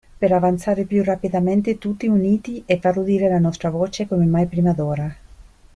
Per avanzare più rapidamente tutti uniti e far udire la nostra voce come mai prima d'ora.